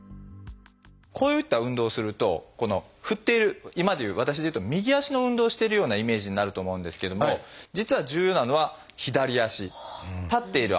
こういった運動をするとこの振っている今でいう私でいうと右足の運動をしてるようなイメージになると思うんですけれども実は重要なのは左足立っている足になります。